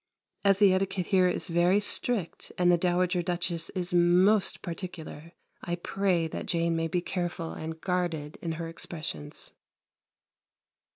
As the etiquette here is very strict and the Dowager Duchess is most particular, I pray that Jane may be careful and guarded in her expressions.